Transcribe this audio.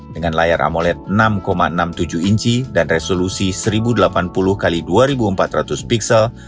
dengan layar amolet enam enam puluh tujuh inci dan resolusi satu delapan puluh x dua empat ratus pixel